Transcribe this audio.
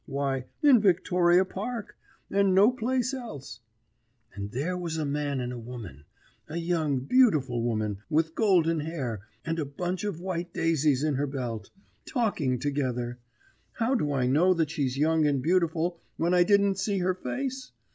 Why, in Victoria Park, and no place else. And there was a man and a woman a young beautiful woman, with golden hair, and a bunch of white daisies in her belt talking together. How do I know that she's young and beautiful when I didn't see her face?